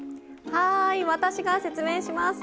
はい私が説明します。